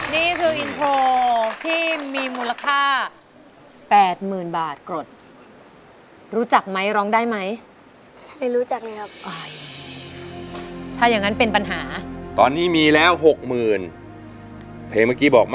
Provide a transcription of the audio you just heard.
นี่คืออินโทรที่มีมูลค่าแปดหมื่นบาทกรด